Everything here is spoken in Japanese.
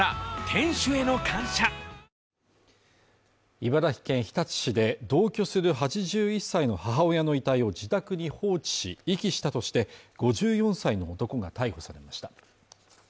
茨城県日立市で同居する８１歳の母親の遺体を自宅に放置し遺棄したとして５４歳の男が逮捕されました。